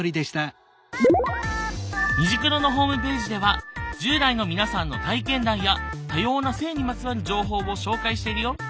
「虹クロ」のホームページでは１０代の皆さんの体験談や多様な性にまつわる情報を紹介しているよ。